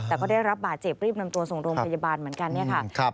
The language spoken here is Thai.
แต่ก็ได้รับบาดเจ็บรีบนำตัวสงโรมพยาบาลเหมือนกัน